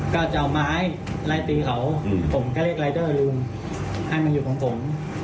ก็จะเอาไม้ไล่ตีเขาผมก็เรียกรายเดอร์ลืมให้มาอยู่ของผม